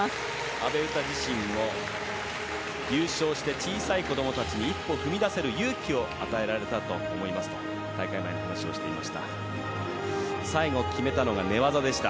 阿部詩自身も優勝して小さい子供たちに一歩踏み出せる勇気を与えられたと思いますと大会前に話をしていました。